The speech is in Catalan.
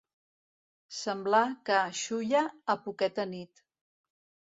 Semblar ca Xulla a poqueta nit.